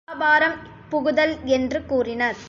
இதனைத் துலாபாரம் புகுதல் என்று கூறினர்.